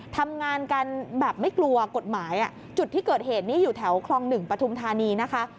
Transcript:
ทำงานกันแบบไม่กลัวกฎหมายจุดที่เกิดเหตุนี้อยู่แถวคลอง๑ปฐุมธานีนะคะ